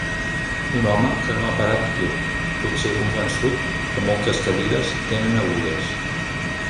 Un home que no ha parat quiet, potser convençut que moltes cadires tenen agulles.